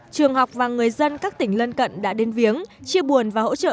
trường học và người dân các tỉnh lân cận đã đến viếng chia buồn và hỗ trợ